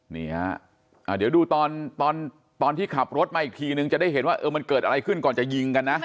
นี่ฮะเดี๋ยวดูตอนที่ขับรถมาอีกทีนึงจะได้เห็นว่ามันเกิดอะไรขึ้นก่อนจะยิงกันนะ